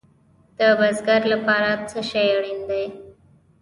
د بزګر لپاره څه شی اړین دی؟